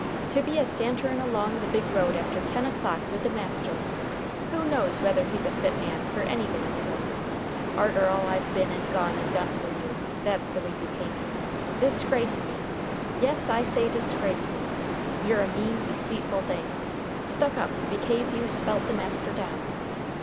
"To be a santerin' along the big road after ten o'clock with the master! Who knows whether he's a fit man fer anybody to go with? Arter all I've been and gone and done fer you! That's the way you pay me! Disgrace me! Yes, I say disgrace me! You're a mean, deceitful thing. Stuck up bekase you spelt the master down.